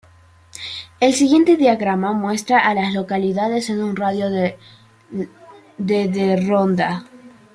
El siguiente diagrama muestra a las localidades en un radio de de Ronda.